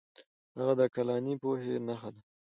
هغه د عقلاني پوهې نښه ده.